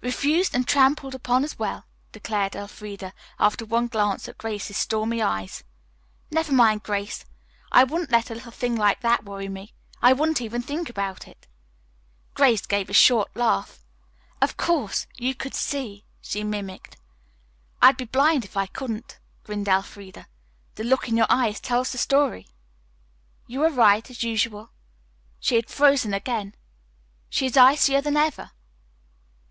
"Refused and trampled upon as well," declared Elfreda after one glance at Grace's stormy eyes. "Never mind, Grace. I wouldn't let a little thing like that worry me. I wouldn't even think about it." Grace gave a short laugh. "Of course 'you could see,'" she mimicked. "I'd be blind if I couldn't," grinned Elfreda. "The look in your eyes tells the story." "You are right, as usual. She has frozen again. She is icier than ever."